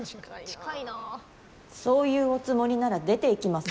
そういうおつもりなら出ていきます。